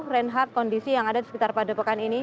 renhardt kondisi yang ada di sekitar pada pokan ini